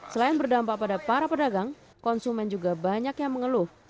selain berdampak pada para pedagang konsumen juga banyak yang mengeluh